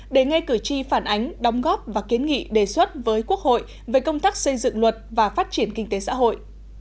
để ngay cử tri phản ánh đóng góp và kiến nghị đề xuất với quốc hội về công tác xây dựng luật và phát triển kinh tế xã hội